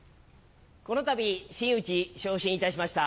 このたび真打に昇進いたしました